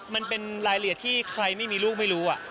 มันเป็นรายละเอียดที่ใครไม่มีลูกไม่รู้